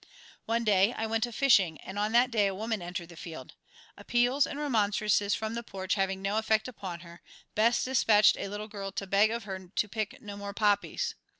One day I went a fishing, and on that day a woman entered the field. Appeals and remonstrances from the porch having no effect upon her, Bess despatched a little girl to beg of her to pick no more poppies.